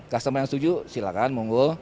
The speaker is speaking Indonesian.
customer yang setuju silakan monggo